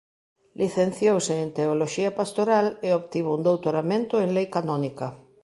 Licenciouse en teoloxía pastoral e obtivo un doutoramento en lei canónica.